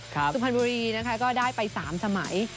สุพรรณบุรีนะคะก็ได้ไป๓สมัย